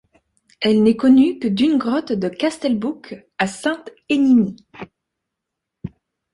Elle n'est connue que d'une grotte de Castelbouc à Sainte-Enimie.